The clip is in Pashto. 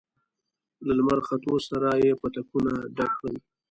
له لمر ختو سره يې پتکونه ډک کړل.